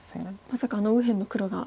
まさかあの右辺の黒が。